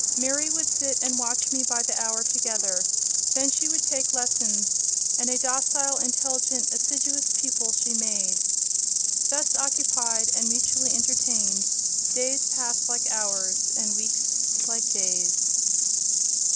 Mary would sit and watch me by the hour together: then she would take lessons; and a docile, intelligent, assiduous pupil she made. Thus occupied, and mutually entertained, days passed like hours, and weeks like days.